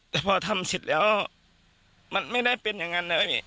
แต่พอทำเสร็จแล้วมันไม่ได้เป็นอย่างนั้นนะพี่